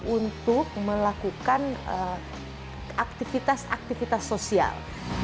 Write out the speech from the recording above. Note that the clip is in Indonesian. untuk melakukan aktivitas aktivitas sosial